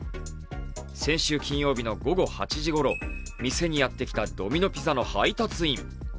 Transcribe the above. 先週金曜日の午後８時ごろ、店にやってきたドミノ・ピザの配達員。